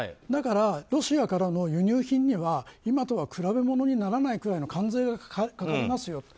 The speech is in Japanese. だからロシアからの輸入品には今とは比べ物にならないくらいの関税がかかりますよ。